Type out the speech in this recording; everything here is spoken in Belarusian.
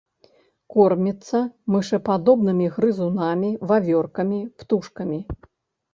Корміцца мышападобнымі грызунамі, вавёркамі, птушкамі.